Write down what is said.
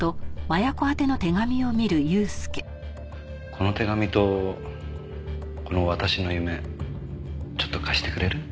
この手紙とこの『わたしの夢』ちょっと貸してくれる？